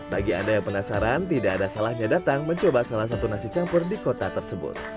bagi anda yang penasaran tidak ada salahnya datang mencoba salah satu nasi campur di kota tersebut